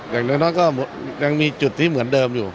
อย่างน้อยก็ยังมีจุดที่เหมือนเดิมอยู่